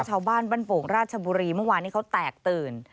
ชาวบ้านบรรโปรงราชบุรีมีวันนี้เขาแตกตื่น